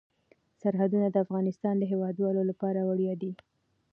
سرحدونه د افغانستان د هیوادوالو لپاره ویاړ دی.